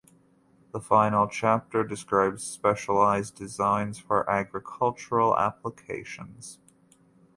The final chapter describes specialized designs for agricultural applications.